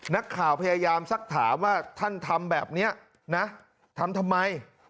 นักข่าวพยายามสักถามว่าท่านทำแบบนี้นะทำทำไม